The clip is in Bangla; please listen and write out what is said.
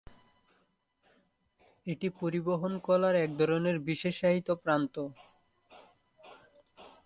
এটি পরিবহন কলার এক ধরনের বিশেষায়িত প্রান্ত।